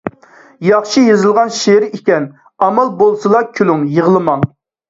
ياخشى يېزىلغان شېئىر ئىكەن. ئامال بولسىلا كۈلۈڭ، يىغلىماڭ!